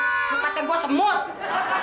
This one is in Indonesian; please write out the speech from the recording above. suka kakek gua semut